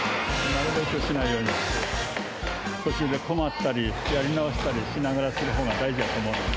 途中で困ったりやり直したりしながらする方が大事やと思うので。